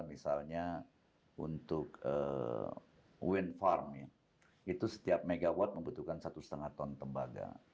misalnya untuk wind farm ya itu setiap megawatt membutuhkan satu lima ton tembaga